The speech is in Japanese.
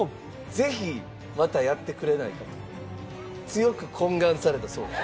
「ぜひまたやってくれないか？」と強く懇願されたそうです。